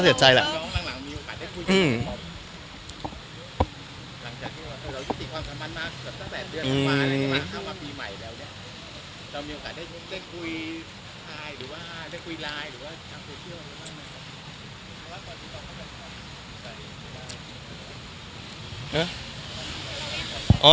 เสียใจครับมันก็เสียใจแหละ